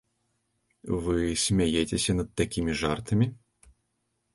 Вы смяецеся над такімі жартамі?